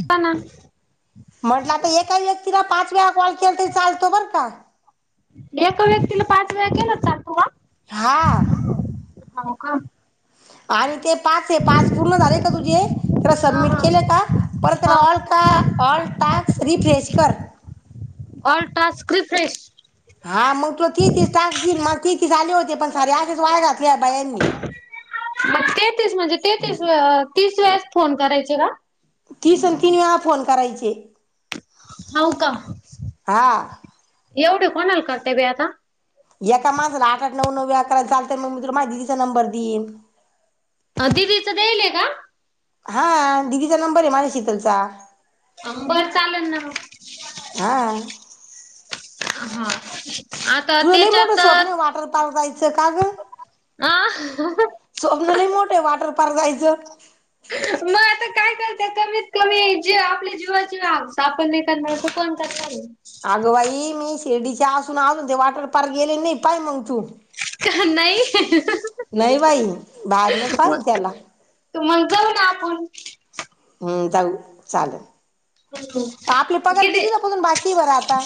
हो ना म्हटलं तर एका व्यक्तीला पाच तुला कॉल केले तरी चालतो बरं का! एका व्यक्तीला पाच वेळा केला काल फोन हा! हो का? आणि ते पाच ये पाच पूर्ण झाले?? तुझे??? परत हा सबमिट हा केले का परत त्याला हा ऑल का ऑल टास्क रिफ्रेश ये. तर ऑल टास्क रिफ्रेश हा मग तुला तेहतीस टास्क मला तेहतीस आले होते पण सारे असेच वाया घातले या बायांनी मग तेहतीस म्हणजे तेहतीस तीस वेळेस फोन करायचे का??? तीस न तीन वेळा फोन करायचे हावका हा येवढे कोणाला करताय बाई आता? एका माणसाला आठ - आठ नऊ - नऊ [inaudible] चालतय मग माझ्या दीदीचा नंबर देईन अं दीदीचा देयल का? हां दीदीचा नंबरय माझ्या शीतलचा बरं चालेल ना मग. आ [unintelligible] तुझं लई मोठं त्याच्यात स्वप्नय अ वॉटर पार्क जायचं का ग स्वप्न लई मोठय वॉटर पार्क जायचं [unintelligible] आगं बाई मी [unintelligible] चे असून आनंदी वॉटर पार्क गेले नाही पाय मग तू आहे? नाही नाही बाई बाहेरूनच पास केला. करू ना आपूण हम जावू चाललं आपली पगार किती किती दिवसा पासून बाकीय बरं आता?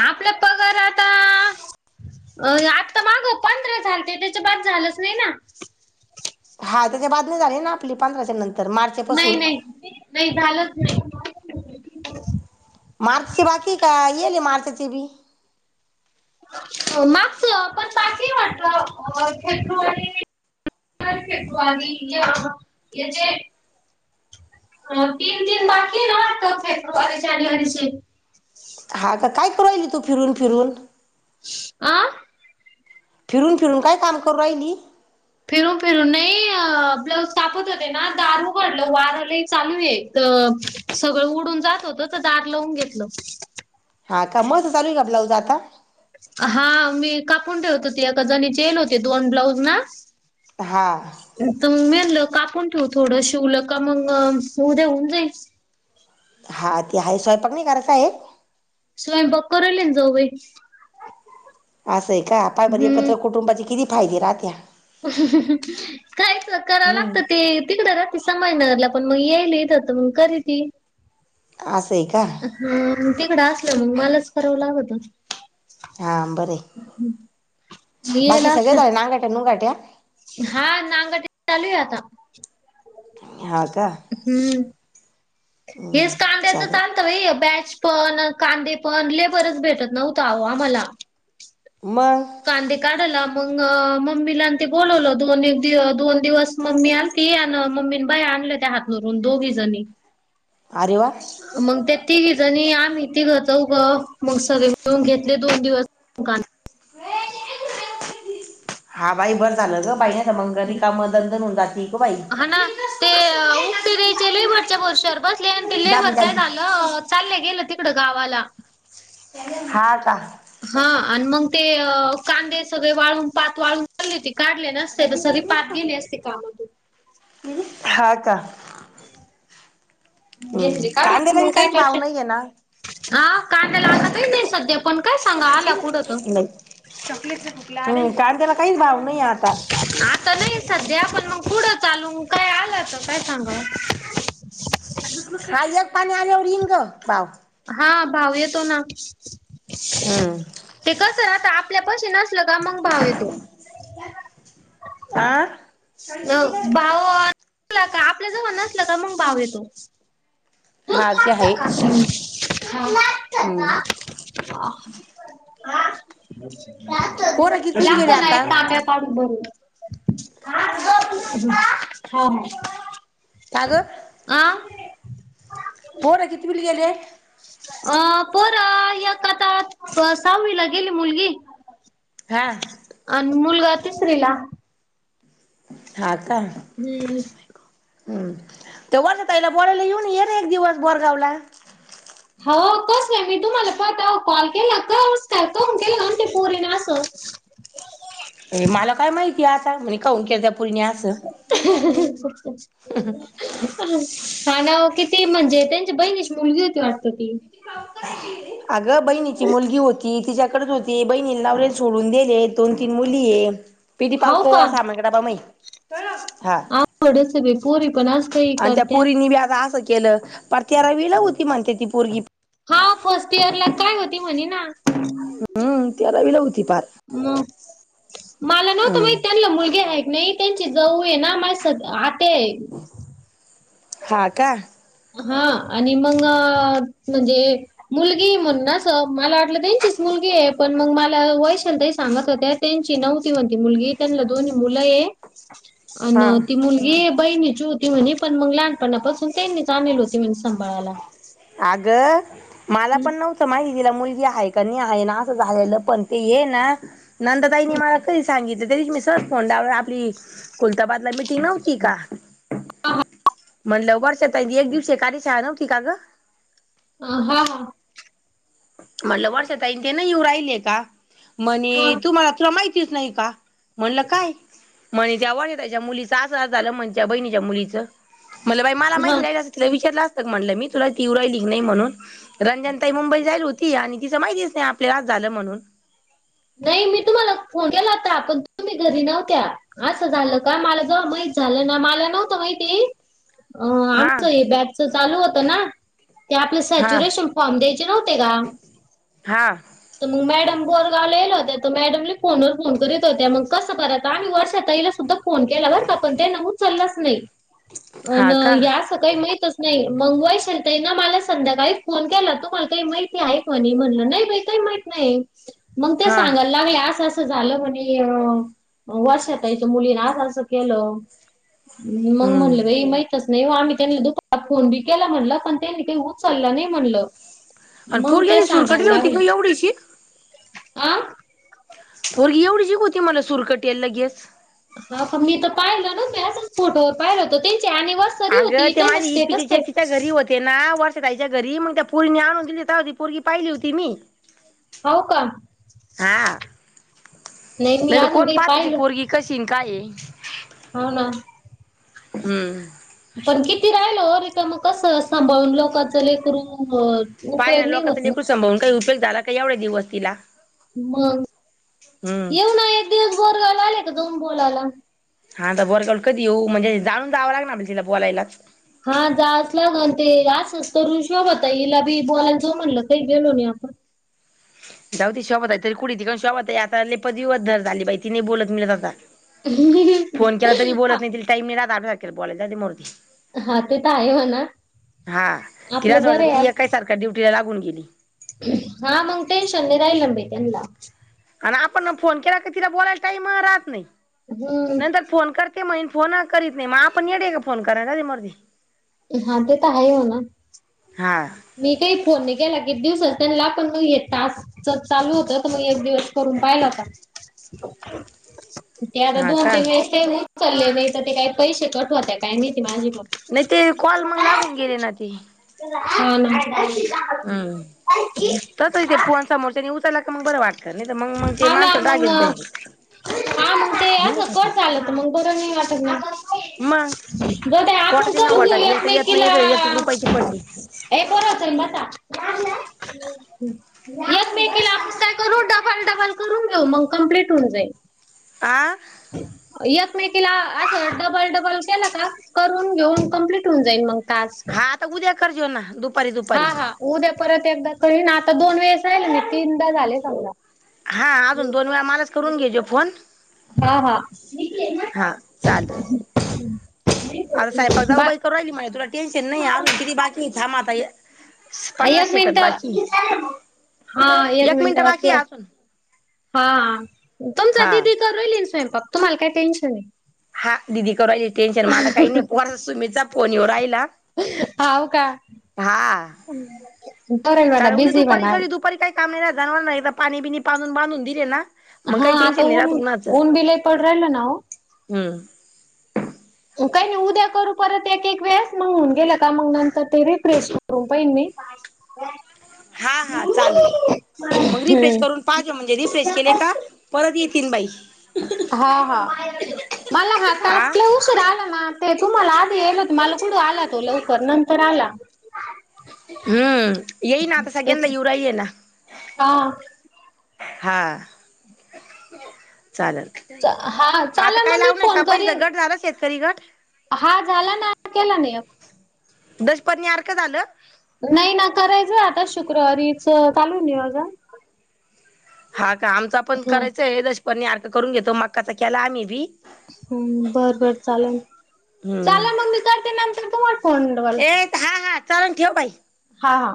आपला पगार आता आ आता मागं पंधरा झालते त्याच्या बाद झालच नाही ना हा त्याज्या बाद नाही झाले ना आपले पंधराच्या नंतर मार्चपासून. [unintelligible] [unintelligible] मार्चचे बाकीय का येईल मार्चचे बी [unintelligible] मागचं पण [unintelligible] फेब्रुवारी [unintelligible] हे जे अ तीन दिन बाकी [unintelligible] [unintelligible] राहिली तू फिरून फिरून? [inaudible] आं फिरून फिरून काय काम करून राहिली? फिरून फिरून नाही आ ब्लाऊज कापत होते न दार उघडलं वारं लई चालूय त अ सगळं उडून जात होतं त दार लावून घेतलं हा का? माझं चालूय का? ब्लाऊज आ ता हा मी कापून ठेवत होते एका जणीचे [unintelligible] दोन ब्लाऊज ना? हा [inaudible] तुम्ही आणलं कापून ठेवू थोड शिवलका मंग उद्या होऊन जाईल हा ती हाय सो पम्मी घरात हाये स्वयंपाक करूले ना जाऊबाई असंय का आता बरी हम्म. एकत्र कुटुंबाचे किती? नाही घे राहतिया. कायच कराव हम्म लागत ते तिकडं राहती सा महिना लागला पण म येलीत म करीती असं आहे का हा ते खडा मग मलाच करावं लागत. हा बर हाय येल बाकी सगळे झाले असलं नागाट्या नुंगाट्या हा नागाटनी चालू आहे आता हा का हम्म. हेच हम्म कांद्याचं चालेल चालतं बाई बॅच पण कांदे पण लेबरच भेटत नव्हत आहों आम्हाला. मग कांदे काढला. मग मम्मीला आणि ते बोलोवलो दोन एक दोन दिवस मम्मी आलती आण मम्मीन बाया आणलं त्या हात धरून दोघी जणी अरे वा मग ते तिघींजनी आम्ही तीघ चौघ म सगळे मिळून घेतले दोन दिवस कान हा बाई बर झालं ग बाई तर मग रिकाम दणदण होऊन जाते ग बाई हा ना ते उकक्ते घ्यायच्या भरवश्या बसले आणि ते दाबी लेबर काय दाबी झालं चाले गेलं त इकड गावाला हा का हा आणि मग ते कांदे सगळे वाळून पात वाळून झाली ती काढले नसते तर सरी पात गेले असती कामातून हां पत्ता घेतली काढ म काय काहीच भाव करते नाही आहे ना हा कांद्याला आता काही नाही सध्या पण काय सांगा आला कुठं नाही त्याला काहीच भाव नाही आता आता नाहीये सध्या पण म पुढ चालूून काय आलंत काय सांगाव. खा एक पात [unintelligible] हा भाव येतो ना. हम्म ते कस राहता आप. आपल्यापशी ना - असल का मग भाव येतो आ हह भा तेच मग भाव येतो. [unintelligible] हा ते आहे आ हम्म जास्त देऊ पोरं कितवीला जास्त गेले नाही आता तांब्या काडून भरून दे. हा हा आं फोर कितवीला गेले? अ पोर ही आता ता सहावीला गेली मुलगी हा अन मुलगा तिसरी ला हा का [unintelligible] हम्म तेवाच्या ताईला बोलायला घेऊन ये रे एक दिवस बोरगाव ला हाव कस नाही मी तुम्हाला पाच दहा कॉल केला का केल पोरिनी अस - ये मला काय माहिती आत काय माहित काऊंन केलत्या हहहह [inaudible] [inaudible] सांग ओ किती म्हणजे त्त्यांच्या बहिणीची मुलगी होती वाट ती आग बहिणीची मुलगी होती तीझ्या कारत होती बहीनीला लावलेले सोडून दिले दोन तीन मुली ये किती पाव हाव पाव अस् तय व्हय ओ अवघड च आहे बाई पोरी पण अस काय करत्यात? केल पार तेरा वीला हुती म्हणत्यात ती पोरगी हा फर्स्ट इयर ला काय होती म्हणी ना. हम्म हम्म तेरा वीला हुती अम्म [inaudible] मला नव्हत हम्म माहीत त्यांना मुलगी आहे. मी त्यांची जाऊ आहे ना माय सद आत ते हा, का? हा आणि मंग म्हणजे मुलगी म्हणून अस मला वाटलं त्यांचीच मुलगी ये, पण मला वैशाली ताई सांगत होत्या त्यांची नवती म्हण ती मुलगी त्यांना दोन्हीं मुलं आहे. आन हा ती मुलगी बहिणीची होती म्हणी पण मग लहान पणापासून त्यांनीच [unintelligible] नेली होती म्हणी सांभाळायला. [unintelligible] माला हं. पण नव्हत माहीत हिला मुल ती आहे का नई आईला एस झालेलं पण तेयेना नंदा ताईंनी मला कधी सांगीत त्या दिवशी मी सरळ फोन लावला आपली कुलताबादला मीटिंग नव्हती का? [inaudible] म्हनलं वर्षाताई ऐक दिवशी एखादी शाळा नव्हती का ग? आहा म्हणाल वर्षाताई तेन नाई येऊन राहिले का? हां म्हणी तुम्हाला तुर माही - - तीच नाही का? म्हणाल काय? म्हणी जवानित त्याच्या मुलीचं अस अस झालं म्हण त्याच्या बहिणीच्या मुलीचं? म्हणल बाई मला माहित हां. नाही, नाहीतर तिला विचारलं अस तर म्हणाल मी तुला तिव राहिली की नाही म्हणून रंजना ताई मुंबई होती आणि तिचं माहितीच नाही आपल्याला असं झालं म्हणून नाही मी तुम्हाला फोन केला ता तुम्ही घरी नव्हत्या असं झालं का मला जवा माहीत झालं ना मला नवत माहिती अं हा आमचं हे बॅचच चालू होत ना? ते आपले हा सचुरेशन फॉर्म द्यायचे नव्हते का? हा त मग मॅडम बोल. चालेल्या होत्या तर मॅडमनी फोन वर फोन करीत होत्या, मगं कस करायच आम्ही वर्षा ताईनला सुद्धा पण फोन केला बर का पण त्यांनी फोन उचलाच नाही. अन् हा का हे अस काही माहीतच नाही मगं वैशाली ताई ना, मला संध्याकाळी फोन केला तुम्हाला काही माहीत आहे का म्हणी? म्हणल नाई बाई काही माहीत नाही. मगं त्या हा सांगायला लागल्या आस आस - - झालं म्हणी अ वर्षा ताईच्या मुलीनं अस अस केलं. मंग हम्म. म्हणलं बाई माहीतच नही हो आम्ही त्यांनी दुपा फोन बी केला म्हणल, पण त्याहीनी काही उचलला नाही म्हणलं. आणि मग पोरगी ही सूरकटेल होती ग एवढीशी. आह? पोरगी एव्हढीशीक होत मला सुरकटेल लगेच आता मी तर पाहिलं ना नुसत असच फोटोवर पाहिलं होत ते आग ते माझ्या इपीचे चे तिच्या घरी होते ना वर्षाताई त्या घरी मग त्या पोरीनी आणून दिली तवा ती पोरगी पाहिली होती मी. हाव का? हा नाही मी तर अजून कोण काही पाहत होती पाहिल, पोरगी कशी न काय आहे हाव ना. हम्म. पण किती राहिलं हो त म कसं सांभळून लोकाच लेकरू अ पाय ना लोकाच लेकरू सांभाळून काही उपयोग झाला का एवढे दिवस तिला? मंग हम्म येऊ ना एक दिव बोरला आले का दोन बोलाला हा तर बोरगाव ला कधी येऊ म्हणजे जाणून जावं लागनार आहे तिला बोलायलाच. हा जा असला म्हणते ते असच करून शोभा हिला बी बोलायच म्हणलं काही गेलो नाही आपण. जाऊ दे शोभाताई तरी कुडीती गंज शोभाताई आहे आता लेपतदिवतदर झाली बाई ती नाही बोलत आता. फोन केला तरी हा बोलत नाही तिला टाईम नाही रहात. चालू आहे [unintelligible] बोलायला जाऊन दे मरू दे. हा ते त आहे म्हणा, हा आपलं बरं हे आस होऊन गेली. हा मंग टेन्शन नाही राहिलं न बाई त्यांला. आणि आपण ना फोन केला क तिला बोलायला टाइम राहत नाही. हम्म. ते महीन फोन करीत नाही म आपण येडे आहे का फोन करायला? जाऊ दे मरू दे. हा ते त आहे हो ना हा मी काही फोन नाही केला किती दिवसात त्यांला पण मी हे टास्क च चालू होत त मग एक दिवस करून पाहिला होता कुठे आता हा दोन का तीन वेळेस [unintelligible] चालले नाही तर ते काही पैसे कट होत्या काय माहीत ती माझी कोण? नाही ते कॉल मग लागून गेले ना ते. [unintelligible] हा नमस्का [unintelligible] हम्म तसइ ते फोन समोरच्यानी उचाला की [inaudible] हा ना मंग [unintelligible] हा मंग ते मी नाही असं खात. कट झालं त मंग बर तीन मग वाजतय [unintelligible] ग ताई आपण पोटाची ना करून घेऊ वाटाची एक तर येत नाही एकमेकीला येत एक एक रुपयाची पडली हे पोरानों तुम्ही बसा. एकमेकीला आप काय करू डबल डबल करुन घेऊ मग कंम्पलिट होऊन जाइल आ एकमेकिला असं डबल डबल केला का करून घेऊन कंम्पलिट होऊन जाइल मंग टास्क करजोना दुप हा हा उद्या परत एकदा कळेना आता दोन वेळेस राहिलेना तीनदा झालेत आता हा अजुन दोन वेळा मलाच करुन घे जो फोन हा हा हा चाललं आता संयपाक बा जाऊबाई करून राहिली माई तुला टेन्शन नाई अजून किती बाकी हाय थांब आता हे एक मिनंट हा एक मिनंट मिनिट बाकी ते आहे अजून हा हा तुमच हा दिदी चा रिलीम [unintelligible] तुम्हाला काय टेन्शन नाही? हा दिदी करायले टेन्शन मला काय नाही पोरा सुमीचा फोन ऐऊन राहिला हाव का हा करेल म्हणा चाललं उद्या बिझी दुपारी म्हणा करी दुपारी काय काम नाय रात जनावरांना एकदा पाणी बिनी पाजुन बांधुन दिले ना मग हा काही आता टेन्शन नाही राहत ऊन्ह ऊन्ह बी लयं पडुन राहिलय ना ओ हं काय नाही ओ उद्या करू परत एक एक वेळेस मग गेल का मग नतंर रिफ्रेश करून पाहिन मी हा हा चाललं मग रिफ्रेश हम्म करुन पाहते मग. हा हा मला हा आ टास्क लय उशीरा आला ना ते तुम्हाला आधी येत्या मला कुठ आला तो लवकर नंतर आला हम् येईल आता सगळ्यांना त्याच्या ऐऊन राहिले ना हा हा चाललं हा आता चालेल काय मग मी लावू नका फोन पहिल करीन गट झालच ये कधी ग ट हा झाला ना आता केला ना ह्यो दशपर्णी आरक झालं नाही ना करायचं आता शुक्रवारीच चालुये नियोजन हा का आमचा पण हम्म करायचा आहे जसे पण आता हे करून घेतो. मकाचा केला आम्ही बी. हुं बर बर चालल चालन मी करते नंतर. तुम्हाला फोन डबल. तेत हा हात चाळून ठेव बाई. हा हा!